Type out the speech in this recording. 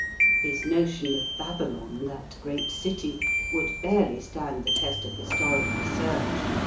His notion of "Babylon, that great city," would barely stand the test of historic research.